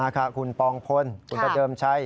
คุณปองพลคุณประเดิมชัย